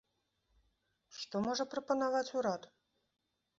Што можа прапанаваць урад?